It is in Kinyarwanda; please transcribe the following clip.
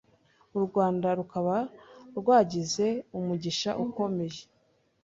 u Rwanda rukaba rwagize umugisha ukomeye